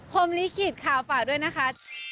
พรมลิขีดข่าวฝากด้วยนะคะ